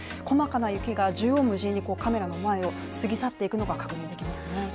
細かな雪が縦横無尽にカメラの前を過ぎ去っていくのが確認できますね。